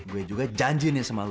saya juga janji dengan anda